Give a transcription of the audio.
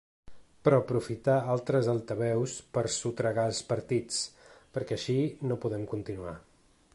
Però aprofitar altres altaveus per a sotragar els partits, perquè així no podem continuar.